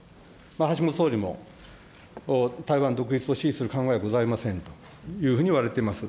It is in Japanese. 橋本総理も、台湾独立を支持する考えはございませんというふうにいわれています。